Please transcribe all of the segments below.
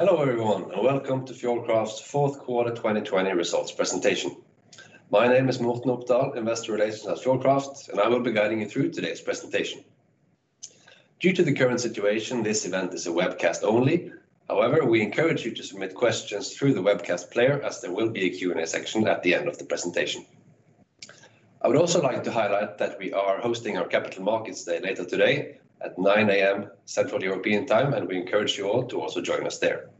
Hello, everyone, and welcome to Fjordkraft's fourth quarter 2020 results presentation. My name is Morten Opdal, Investor Relations at Fjordkraft. I will be guiding you through today's presentation. Due to the current situation, this event is a webcast only. However, we encourage you to submit questions through the webcast player, as there will be a Q&A section at the end of the presentation. I would also like to highlight that we are hosting our Capital Markets Day later today at 9:00 A.M., Central European Time. We encourage you all to also join us there.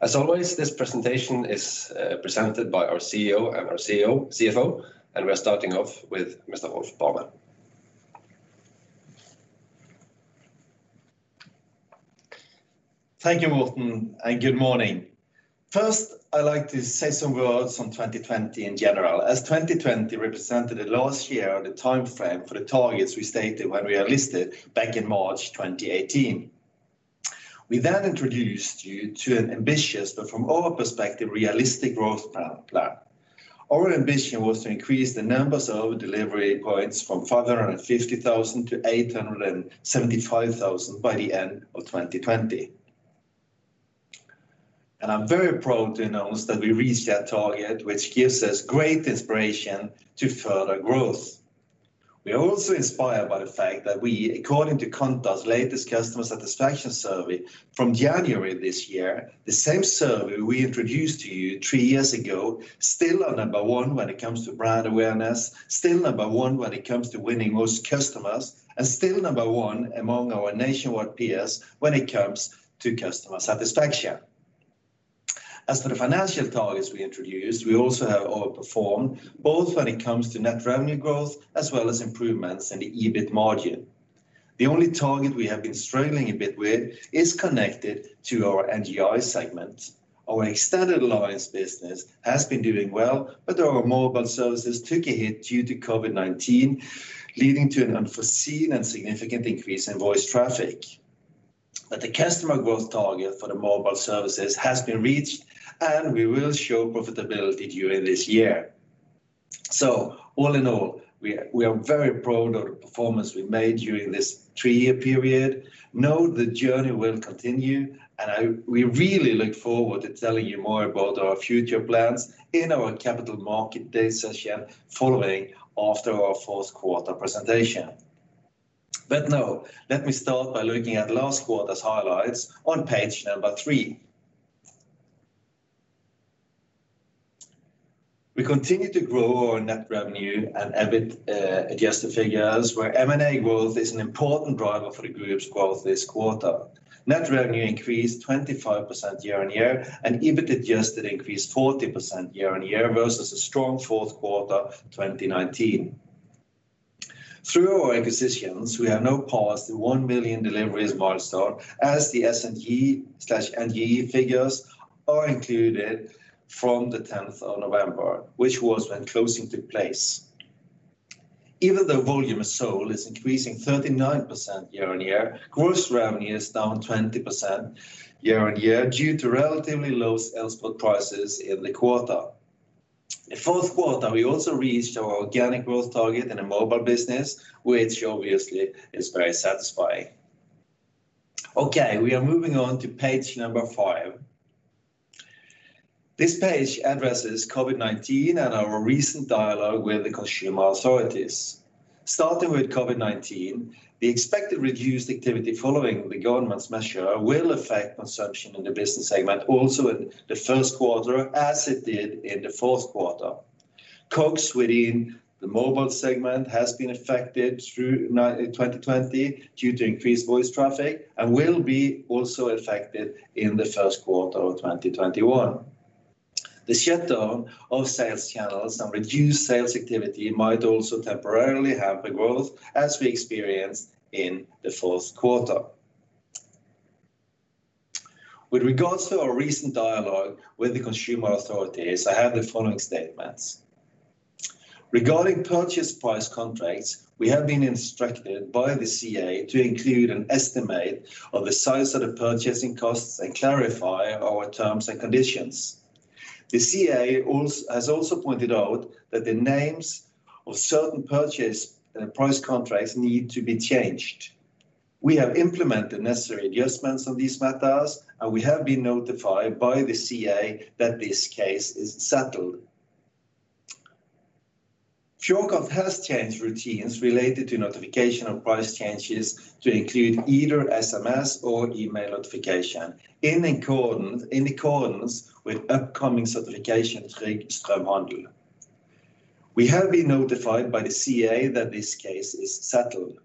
As always, this presentation is presented by our CEO and our CFO. We're starting off with Mr. Rolf Barmen. Thank you, Morten, and good morning. First, I'd like to say some words on 2020 in general, as 2020 represented the last year of the timeframe for the targets we stated when we are listed back in March 2018. We then introduced you to an ambitious but, from our perspective, realistic growth plan. Our ambition was to increase the numbers of delivery points from 550,000 to 875,000 by the end of 2020. I'm very proud to announce that we reached that target, which gives us great inspiration to further growth. We are also inspired by the fact that we, according to Kantar's latest customer satisfaction survey from January this year, the same survey we introduced to you three years ago, still are number one when it comes to brand awareness, still number one when it comes to winning most customers, and still number one among our nationwide peers when it comes to customer satisfaction. As for the financial targets we introduced, we also have overperformed, both when it comes to net revenue growth as well as improvements in the EBIT margin. The only target we have been struggling a bit with is connected to our NGI segment. Our extended alliance business has been doing well, but our mobile services took a hit due to COVID-19, leading to an unforeseen and significant increase in voice traffic. The customer growth target for the mobile services has been reached, and we will show profitability during this year. All in all, we are very proud of the performance we made during this three-year period. Now the journey will continue, and we really look forward to telling you more about our future plans in our Capital Market Day session following after our fourth quarter presentation. Now, let me start by looking at last quarter's highlights on page number three. We continue to grow our net revenue and EBIT-adjusted figures, where M&A growth is an important driver for the group's growth this quarter. Net revenue increased 25% year-on-year, and EBIT-adjusted increased 40% year-on-year versus a strong fourth quarter 2019. Through our acquisitions, we have now passed the 1 million deliveries milestone, as the SNG/NGE figures are included from the 10th of November, which was when closing took place. Even though volume sold is increasing 39% year-on-year, gross revenue is down 20% year-on-year due to relatively low sales spot prices in the quarter. In the fourth quarter, we also reached our organic growth target in the mobile business, which obviously is very satisfying. Okay, we are moving on to page number five. This page addresses COVID-19 and our recent dialogue with the consumer authorities. Starting with COVID-19, the expected reduced activity following the government's measure will affect consumption in the business segment also in the first quarter, as it did in the fourth quarter. COGS within the mobile segment has been affected through 2020 due to increased voice traffic and will be also affected in the first quarter of 2021. The shutdown of sales channels and reduced sales activity might also temporarily hamper growth, as we experienced in the fourth quarter. With regards to our recent dialogue with the consumer authorities, I have the following statements. Regarding purchase price contracts, we have been instructed by the CA to include an estimate of the size of the purchasing costs and clarify our terms and conditions. The CA has also pointed out that the names of certain purchase price contracts need to be changed. We have implemented necessary adjustments on these matters, and we have been notified by the CA that this case is settled. Fjordkraft has changed routines related to notification of price changes to include either SMS or email notification in accordance with upcoming certification Trygg Strømhandel. We have been notified by the CA that this case is settled.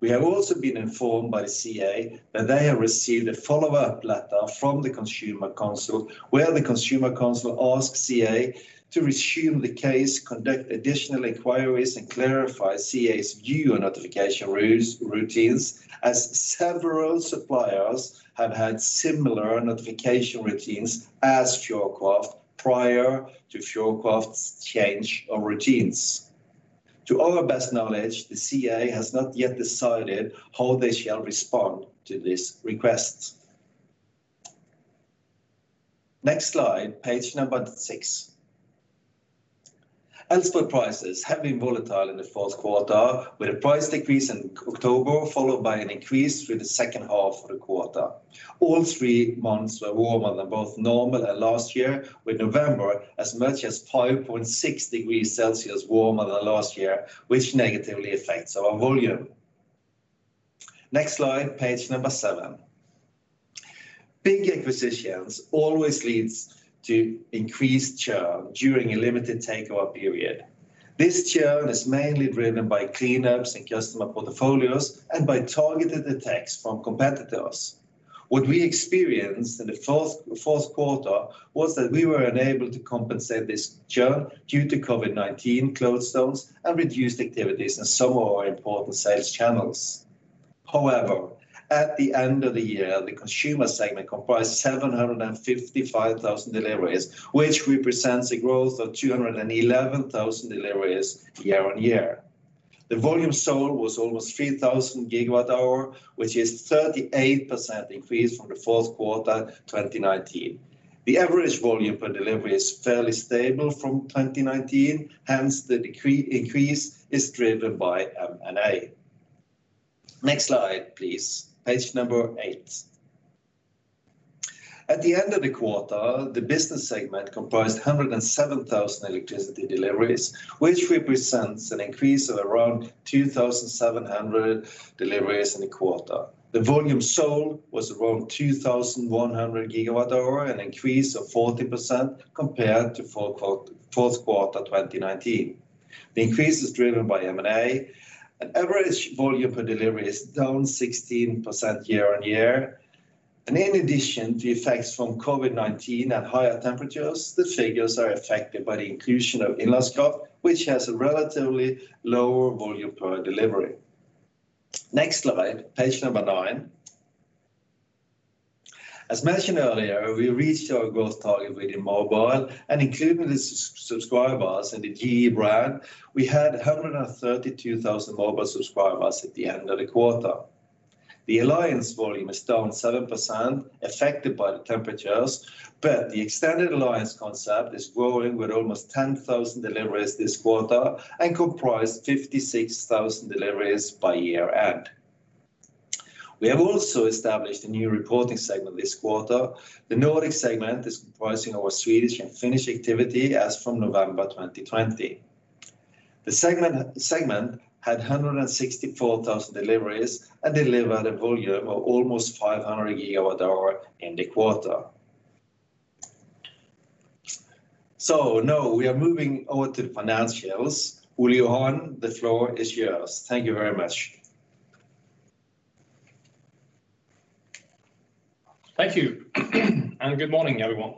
We have also been informed by the CA that they have received a follow-up letter from the Consumer Council, where the Consumer Council asks CA to resume the case, conduct additional inquiries, and clarify CA's view on notification routines, as several suppliers have had similar notification routines as Fjordkraft prior to Fjordkraft's change of routines. To our best knowledge, the CA has not yet decided how they shall respond to this request. Next slide, page number six. Elspot prices have been volatile in the fourth quarter, with a price decrease in October, followed by an increase through the second half of the quarter. All three months were warmer than both normal and last year, with November as much as 5.6 degrees Celsius warmer than last year, which negatively affects our volume. Next slide, page number seven. Big acquisitions always leads to increased churn during a limited takeover period. This churn is mainly driven by cleanups in customer portfolios and by targeted attacks from competitors. What we experienced in the fourth quarter was that we were unable to compensate this churn due to COVID-19 closed sales and reduced activities in some of our important sales channels. However, at the end of the year, the consumer segment comprised 755,000 deliveries, which represents a growth of 211,000 deliveries year-on-year. The volume sold was almost 3,000 GWh, which is 38% increase from the fourth quarter 2019. The average volume per delivery is fairly stable from 2019, hence the increase is driven by M&A. Next slide, please. Page number eight. At the end of the quarter, the Business segment comprised 107,000 electricity deliveries, which represents an increase of around 2,700 deliveries in the quarter. The volume sold was around 2,100 GWh, an increase of 14% compared to fourth quarter 2019. The increase is driven by M&A, and average volume per delivery is down 16% year-on-year. In addition to effects from COVID-19 at higher temperatures, the figures are affected by the inclusion of Innlandskraft, which has a relatively lower volume per delivery. Next slide, page number nine. As mentioned earlier, we reached our growth target within mobile and including the subscribers in the GE brand, we had 132,000 mobile subscribers at the end of the quarter. The alliance volume is down 7%, affected by the temperatures, but the extended alliance concept is growing with almost 10,000 deliveries this quarter and comprised 56,000 deliveries by year end. We have also established a new reporting segment this quarter. The Nordic segment is comprising our Swedish and Finnish activity as from November 2020. The segment had 164,000 deliveries and delivered a volume of almost 500 GWh in the quarter. Now we are moving over to the financials. Ole Johan, the floor is yours. Thank you very much. Thank you. Good morning, everyone.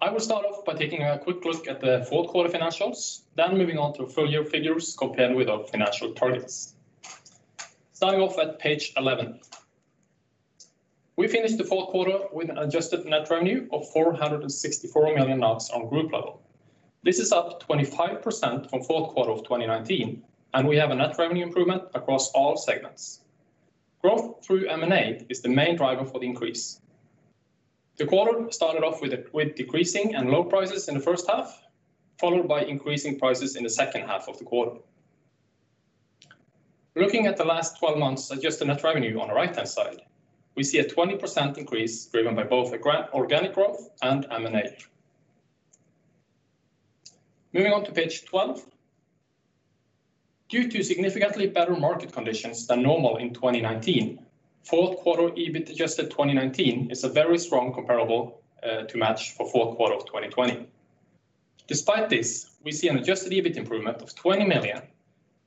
I will start off by taking a quick look at the fourth quarter financials, then moving on to full-year figures compared with our financial targets. Starting off at page 11. We finished the fourth quarter with an adjusted net revenue of 464 million on group level. This is up 25% from fourth quarter of 2019. We have a net revenue improvement across all segments. Growth through M&A is the main driver for the increase. The quarter started off with decreasing and low prices in the first half, followed by increasing prices in the second half of the quarter. Looking at the last 12 months adjusted net revenue on the right-hand side, we see a 20% increase driven by both organic growth and M&A. Moving on to page 12. Due to significantly better market conditions than normal in 2019, fourth quarter EBIT adjusted 2019 is a very strong comparable to match for fourth quarter of 2020. Despite this, we see an adjusted EBIT improvement of 20 million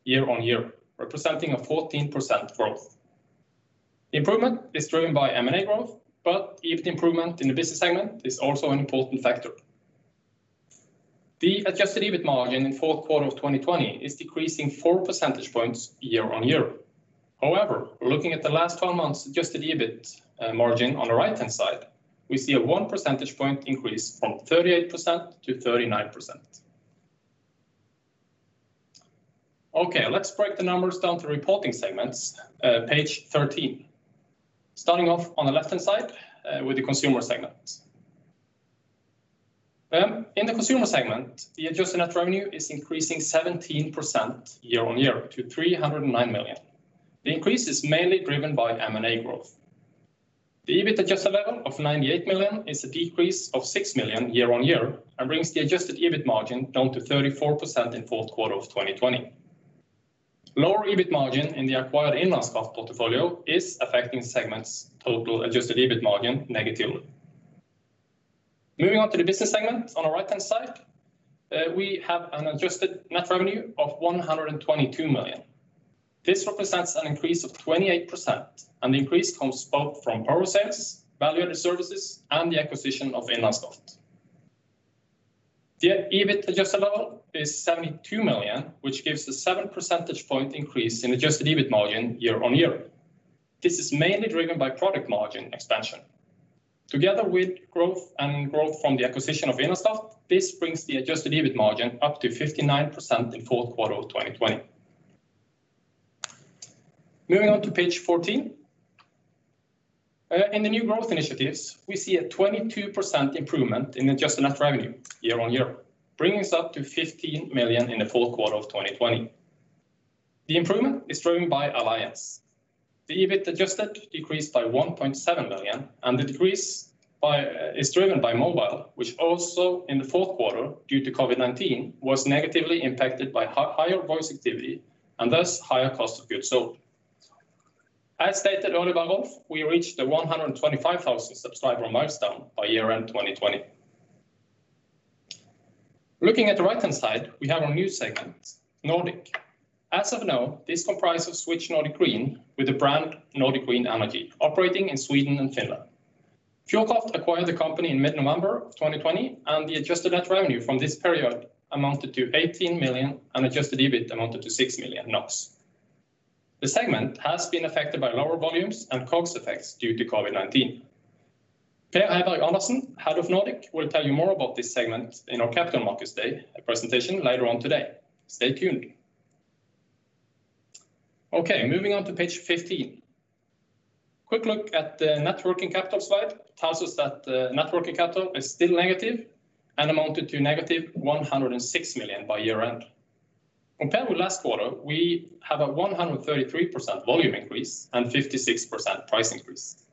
year-on-year, representing a 14% growth. The improvement is driven by M&A growth, but EBIT improvement in the business segment is also an important factor. The adjusted EBIT margin in fourth quarter of 2020 is decreasing 4 percentage points year-on-year. However, looking at the last 12 months adjusted EBIT margin on the right-hand side, we see a 1 percentage point increase from 38% to 39%. Okay, let's break the numbers down to reporting segments, page 13. Starting off on the left-hand side with the consumer segments. In the consumer segment, the adjusted net revenue is increasing 17% year-on-year to 309 million. The increase is mainly driven by M&A growth. The EBIT adjusted level of 98 million is a decrease of 6 million year-on-year and brings the adjusted EBIT margin down to 34% in fourth quarter of 2020. Lower EBIT margin in the acquired Innlandskraft portfolio is affecting segment's total adjusted EBIT margin negatively. Moving on to the business segment on the right-hand side, we have an adjusted net revenue of 122 million. This represents an increase of 28%. The increase comes both from power sales, value-added services, and the acquisition of Innlandskraft. The EBIT adjusted level is 72 million, which gives a 7 percentage point increase in adjusted EBIT margin year-on-year. This is mainly driven by product margin expansion. Together with growth from the acquisition of Innlandskraft, this brings the adjusted EBIT margin up to 59% in fourth quarter of 2020. Moving on to page 14. In the new growth initiatives, we see a 22% improvement in adjusted net revenue year-on-year, bringing us up to 15 million in the fourth quarter of 2020. The improvement is driven by alliance. The EBIT adjusted decreased by 1.7 million. The decrease is driven by mobile, which also in the fourth quarter due to COVID-19, was negatively impacted by higher voice activity and thus higher cost of goods sold. As stated earlier by Rolf, we reached the 125,000 subscriber milestone by year-end 2020. Looking at the right-hand side, we have our new segment, Nordic. As of now, this comprises Switch Nordic Green with the brand Nordic Green Energy operating in Sweden and Finland. Fjordkraft acquired the company in mid-November 2020. The adjusted net revenue from this period amounted to 18 million, and adjusted EBIT amounted to 6 million NOK. The segment has been affected by lower volumes and COGS effects due to COVID-19. Per Heiberg-Andersen, Head of Nordic, will tell you more about this segment in our Capital Markets Day presentation later on today. Stay tuned. Moving on to page 15. Quick look at the net working capital slide tells us that net working capital is still negative and amounted to negative 106 million by year end. Compared with last quarter, we have a 133% volume increase and 56% price increase.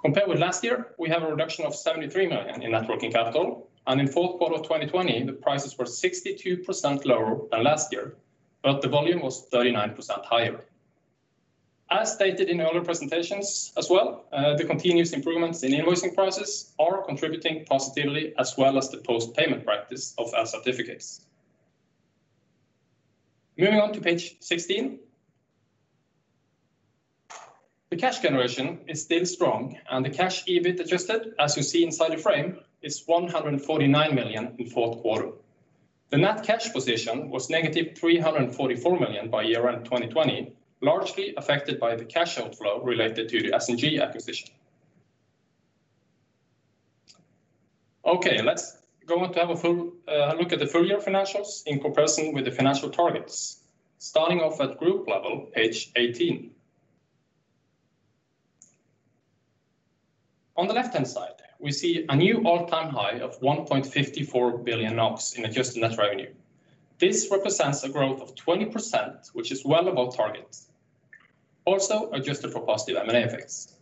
Compared with last year, we have a reduction of 73 million in net working capital, and in fourth quarter 2020, the prices were 62% lower than last year, but the volume was 39% higher. As stated in earlier presentations as well, the continuous improvements in invoicing prices are contributing positively as well as the post-payment practice of El-certificates. Moving on to page 16. The cash generation is still strong, the cash EBIT adjusted, as you see inside the frame, is 149 million in fourth quarter. The net cash position was -344 million by year-end 2020, largely affected by the cash outflow related to the SNG acquisition. Okay, let's go on to have a look at the full-year financials in comparison with the financial targets. Starting off at group level, page 18. On the left-hand side, we see a new all-time high of 1.54 billion NOK in adjusted net revenue. This represents a growth of 20%, which is well above target. Also adjusted for positive M&A effects.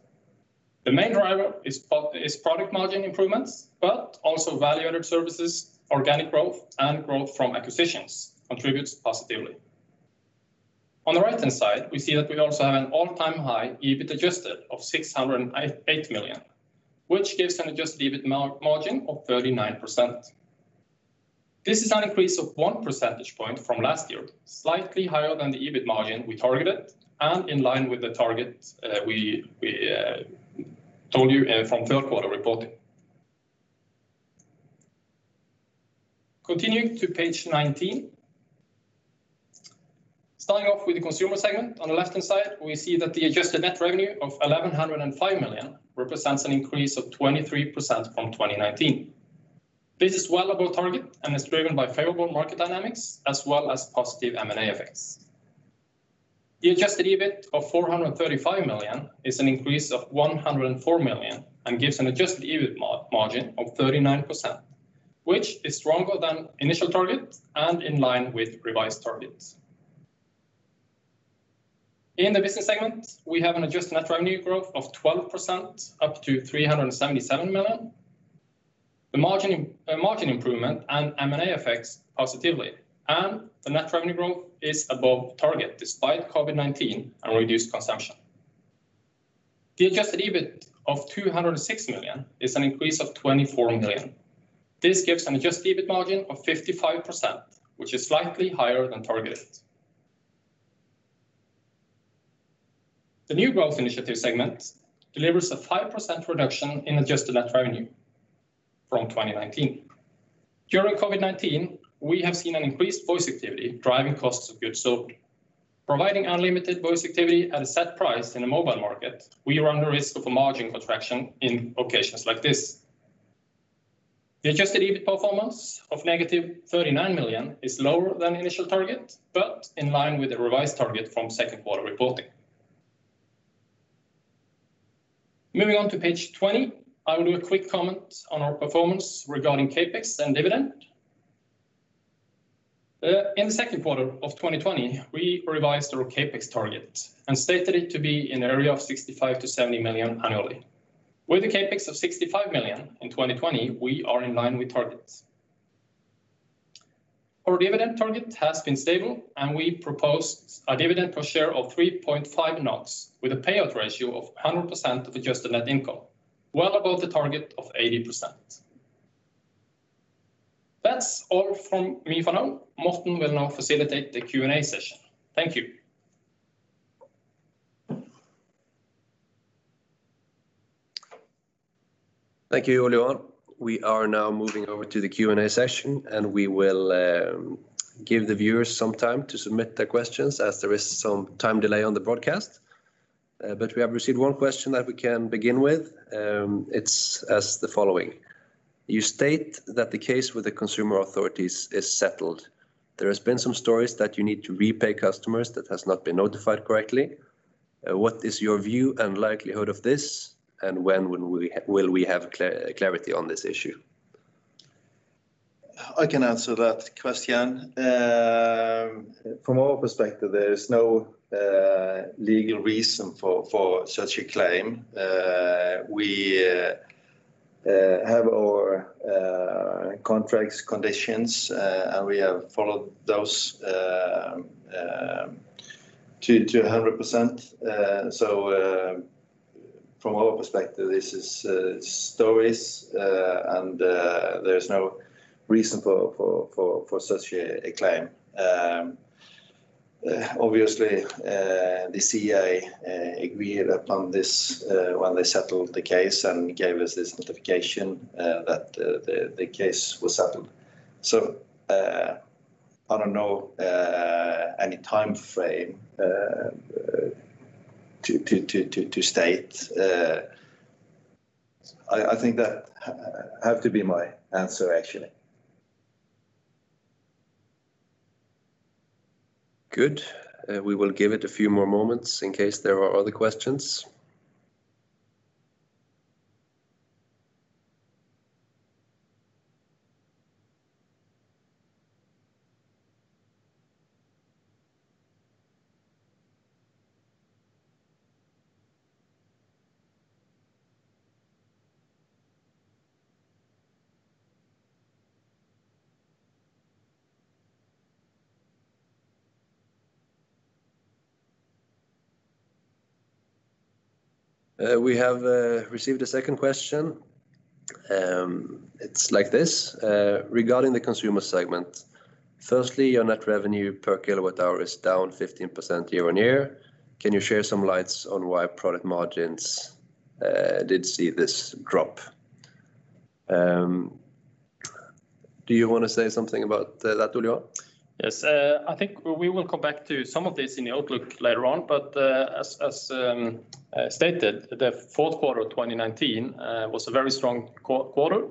The main driver is product margin improvements, but also value-added services, organic growth, and growth from acquisitions contributes positively. On the right-hand side, we see that we also have an all-time high EBIT adjusted of 608 million, which gives an adjusted EBIT margin of 39%. This is an increase of 1 percentage point from last year, slightly higher than the EBIT margin we targeted and in line with the target we told you from third quarter reporting. Continuing to page 19. Starting off with the consumer segment, on the left-hand side, we see that the adjusted net revenue of 1,105 million represents an increase of 23% from 2019. This is well above target and is driven by favorable market dynamics as well as positive M&A effects. The adjusted EBIT of 435 million is an increase of 104 million and gives an adjusted EBIT margin of 39%, which is stronger than initial target and in line with revised targets. In the Business segment, we have an adjusted net revenue growth of 12% up to 377 million. The margin improvement and M&A effects positively, and the net revenue growth is above target despite COVID-19 and reduced consumption. The adjusted EBIT of 206 million is an increase of 24 million. This gives an adjusted EBIT margin of 55%, which is slightly higher than targeted. The new growth initiative segment delivers a 5% reduction in adjusted net revenue from 2019. During COVID-19, we have seen an increased voice activity driving costs of goods sold. Providing unlimited voice activity at a set price in the mobile market, we run the risk of a margin contraction in occasions like this. The adjusted EBIT performance of -39 million is lower than initial target, but in line with the revised target from second quarter reporting. Moving on to page 20. I will do a quick comment on our performance regarding CapEx and dividend. In the second quarter of 2020, we revised our CapEx target and stated it to be in the area of 65 million to 70 million annually. With a CapEx of 65 million in 2020, we are in line with targets. Our dividend target has been stable, and we propose a dividend per share of 3.5 NOK with a payout ratio of 100% of adjusted net income, well above the target of 80%. That's all from me for now. Morten will now facilitate the Q&A session. Thank you. Thank you, Ole Johan. We are now moving over to the Q&A session. We will give the viewers some time to submit their questions as there is some time delay on the broadcast. We have received one question that we can begin with. It's as the following: You state that the case with the consumer authorities is settled. There has been some stories that you need to repay customers that has not been notified correctly. What is your view and likelihood of this, and when will we have clarity on this issue? I can answer that question. From our perspective, there is no legal reason for such a claim. We have our contract's conditions. We have followed those to 100%. From our perspective, this is stories. There's no reason for such a claim. Obviously, the CA agreed upon this when they settled the case and gave us this notification that the case was settled. I don't know any timeframe to state. I think that have to be my answer, actually. Good. We will give it a few more moments in case there are other questions. We have received a second question. It's like this. Regarding the consumer segment, firstly, your net revenue per kilowatt hour is down 15% year-on-year. Can you share some light on why product margins did see this drop? Do you want to say something about that, Ole Johan? Yes. I think we will come back to some of this in the outlook later on. As stated, the fourth quarter of 2019 was a very strong quarter.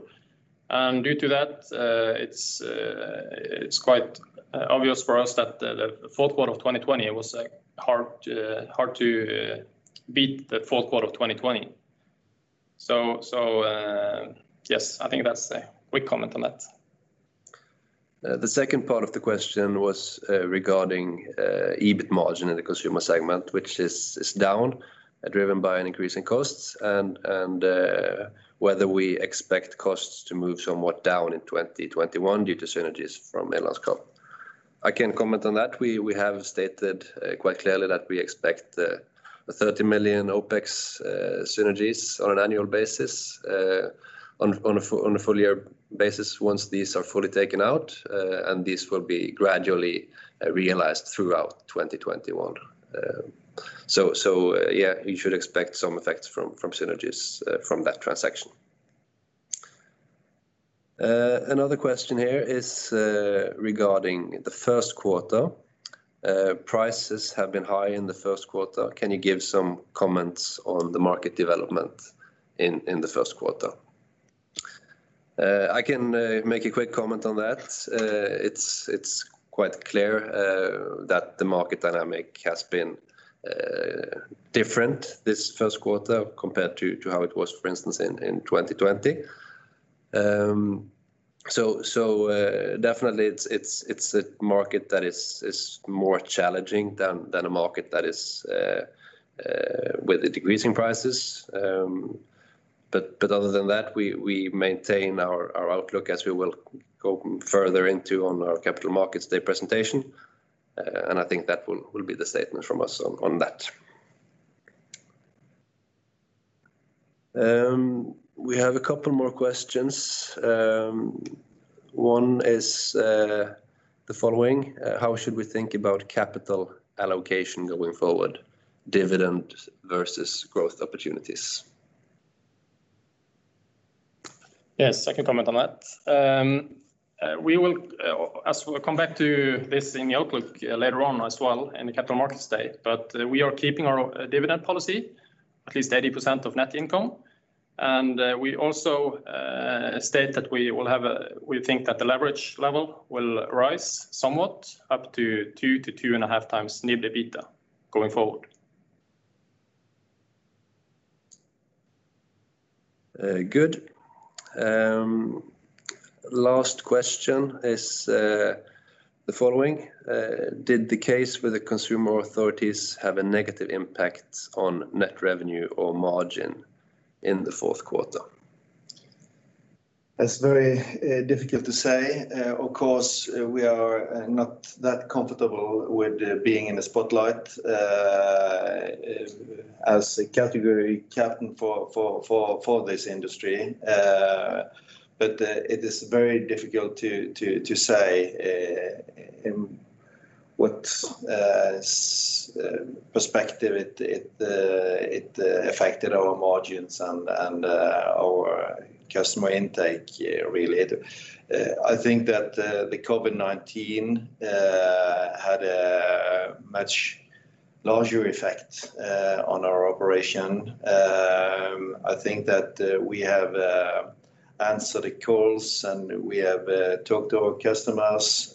Due to that, it's quite obvious for us that it was hard to beat the fourth quarter of 2020. Yes, I think that's a quick comment on that. The second part of the question was regarding EBIT margin in the consumer segment, which is down, driven by an increase in costs, and whether we expect costs to move somewhat down in 2021 due to synergies from Innlandskraft. I can comment on that. We have stated quite clearly that we expect 30 million OpEx synergies on an annual basis, on a full year basis, once these are fully taken out. These will be gradually realized throughout 2021. Yeah, you should expect some effects from synergies from that transaction. Another question here is regarding the first quarter. Prices have been high in the first quarter. Can you give some comments on the market development in the first quarter? I can make a quick comment on that. It's quite clear that the market dynamic has been different this first quarter compared to how it was, for instance, in 2020. Definitely, it's a market that is more challenging than a market that is with decreasing prices. Other than that, we maintain our outlook as we will go further into on our Capital Markets Day presentation. I think that will be the statement from us on that. We have a couple more questions. One is the following: How should we think about capital allocation going forward, dividend versus growth opportunities? Yes, I can comment on that. We will also come back to this in the outlook later on as well in the Capital Markets Day. We are keeping our dividend policy at least 80% of net income. We also state that we think that the leverage level will rise somewhat up to 2x to 2.5x NIBD/EBITDA going forward. Good. Last question is the following. Did the case with the consumer authorities have a negative impact on net revenue or margin in the fourth quarter? It's very difficult to say. Of course, we are not that comfortable with being in the spotlight as a category captain for this industry. It is very difficult to say in what perspective it affected our margins and our customer intake, really. I think that the COVID-19 had a much larger effect on our operation. I think that we have answered the calls, and we have talked to our customers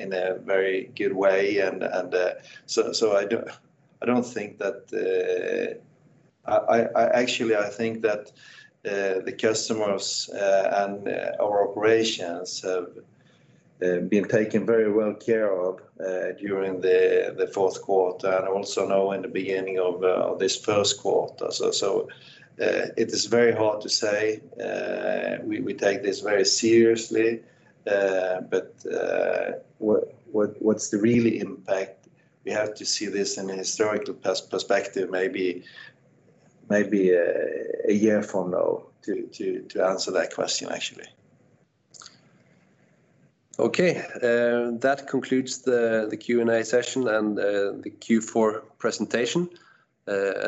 in a very good way. Actually, I think that the customers and our operations have been taken very well care of during the fourth quarter, and also now in the beginning of this first quarter. It is very hard to say. We take this very seriously. What's the real impact? We have to see this in a historical perspective, maybe a year from now to answer that question, actually. Okay. That concludes the Q&A session and the Q4 presentation.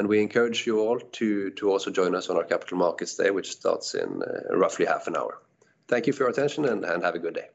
We encourage you all to also join us on our Capital Markets Day, which starts in roughly half an hour. Thank you for your attention, and have a good day.